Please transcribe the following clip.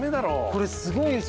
これすごいんですよ。